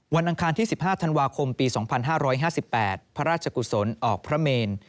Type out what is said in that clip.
อังคารที่๑๕ธันวาคมปี๒๕๕๘พระราชกุศลออกพระเมน